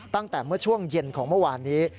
ตั้งแต่เมื่อช่วงเย็นของเมื่อวานนี้